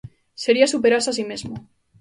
Sería superarse a si mesmo.